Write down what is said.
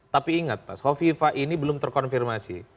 tapi ingat pak hovifa ini belum terkonfirmasi